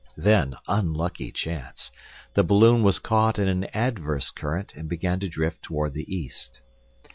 Then, unlucky chance, the balloon was caught in an adverse current, and began to drift toward the east.